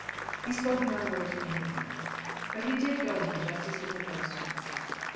He spoke no word to anyone, but he did go on just as he proposed to himself.